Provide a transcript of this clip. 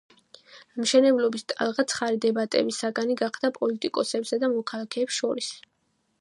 მშენებლობის ტალღა ცხარე დებატების საგანი გახდა პოლიტიკოსებსა და მოქალაქეებს შორის.